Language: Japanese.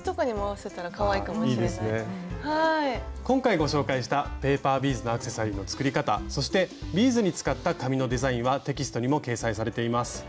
今回ご紹介した「ペーパービーズのアクセサリー」の作り方そしてビーズに使った紙のデザインはテキストにも掲載されています。